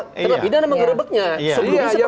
kena pidana mengerebeknya sebelumnya seperti itu